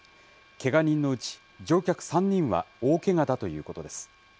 けが人のうち、乗客３人は大けがだということです。